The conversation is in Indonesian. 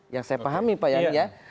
yang saya pahami pak yandri ya